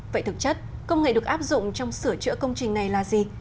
vậy thực chất công nghệ được áp dụng trong sửa chữa công trình này là gì